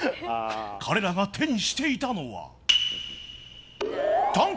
［彼らが手にしていたのは］